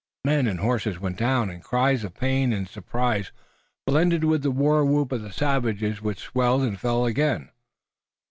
Men and horses went down, and cries of pain and surprise blended with the war whoop of the savages which swelled and fell again.